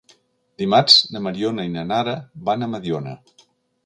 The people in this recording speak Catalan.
Dimarts na Mariona i na Nara van a Mediona.